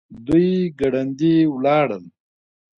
دوی ګړندي ولاړل.